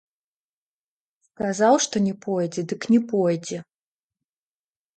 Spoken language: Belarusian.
Сказаў, што не пойдзе, дык не пойдзе.